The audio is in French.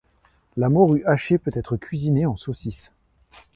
La morue hachée peut être cuisinée en saucisse.